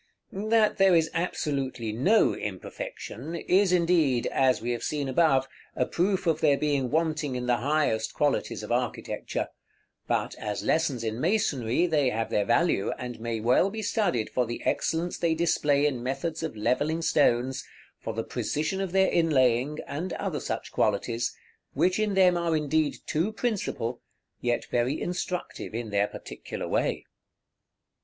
That there is absolutely no imperfection, is indeed, as we have seen above, a proof of their being wanting in the highest qualities of architecture; but, as lessons in masonry, they have their value, and may well be studied for the excellence they display in methods of levelling stones, for the precision of their inlaying, and other such qualities, which in them are indeed too principal, yet very instructive in their particular way.